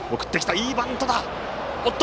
いいバントだ！